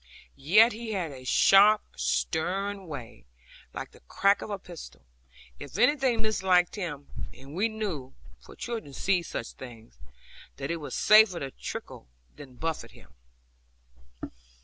Yet he had a sharp, stern way, like the crack of a pistol, if anything misliked him; and we knew (for children see such things) that it was safer to tickle than buffet him.